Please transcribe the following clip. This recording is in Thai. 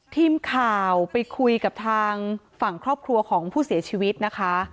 ทีมข่าวไปคุยกับทางฝั่งครอบครัวของผู้เสียชีวิตนะคะ